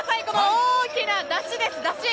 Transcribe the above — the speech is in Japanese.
大きな山車です。